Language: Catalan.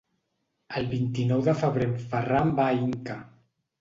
El vint-i-nou de febrer en Ferran va a Inca.